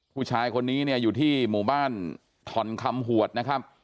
ผู้ชายคนนี้เนี่ยอยู่ที่หมู่บ้านถ่อนคำหวดนะครับ